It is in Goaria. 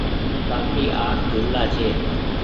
بآڪي اٺ جملآ ڇي